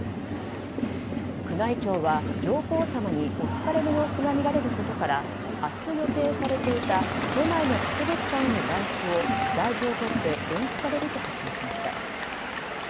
宮内庁は上皇さまにお疲れの様子が見られることから明日、予定されていた都内の博物館への外出を大事を取って延期されると発表しました。